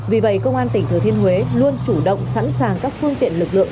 vì vậy công an tỉnh thừa thiên huế luôn chủ động sẵn sàng các phương tiện lực lượng